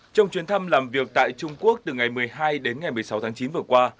trong chuyến thăm làm việc tại trung quốc từ ngày một mươi hai đến ngày một mươi sáu tháng chín vừa qua